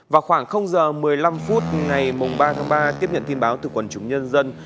vào khoảng giờ một mươi năm phút ngày ba tháng ba tiếp nhận tin báo từ quần chúng nhân dân